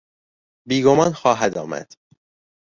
بیگمان خواهد آمد.